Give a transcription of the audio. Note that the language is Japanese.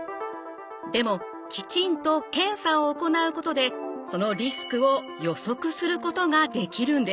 でもきちんと検査を行うことでそのリスクを予測することができるんです。